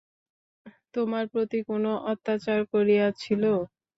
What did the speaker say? তোমার প্রতি কোনো অত্যাচার করিয়াছিল?